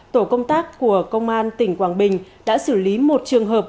tổ công tác của công an tỉnh quảng bình đã xử lý một trường hợp